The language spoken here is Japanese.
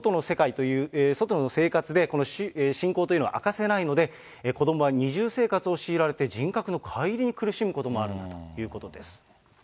外の生活という、信仰というのを明かせないので、子どもは二重生活を強いられて、人格のかい離に苦しむこともあるということです。